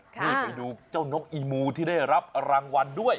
นี่ไปดูเจ้านกอีมูที่ได้รับรางวัลด้วย